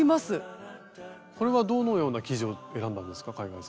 これはどのような生地を選んだんですか海外さん。